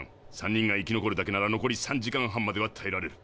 ３人が生き残るだけなら残り３時間半まではたえられる。